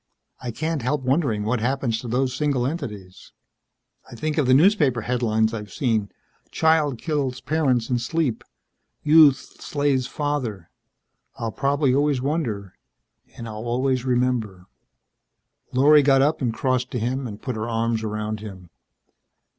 _' "I can't help wondering what happens to those single entities. I think of the newspaper headlines I've seen: Child Kills Parents in Sleep. Youth Slays Father. I'll probably always wonder and I'll always remember...." Lorry got up and crossed to him and put her arms around him.